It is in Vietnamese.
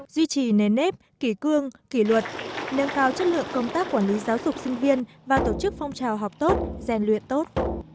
duy trì nền nếp kỷ cương kỷ luật nâng cao chất lượng công tác quản lý giáo dục sinh viên và tổ chức phong trào học tốt gian luyện tốt